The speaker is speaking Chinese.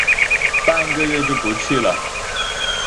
半个月就不去了